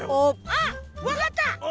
あっわかった！